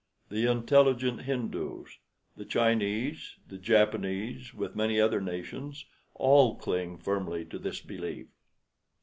The intelligent Hindoos, the Chinese, the Japanese, with many other nations, all cling firmly to this belief.